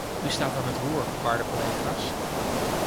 U staat aan het roer, waarde collega's.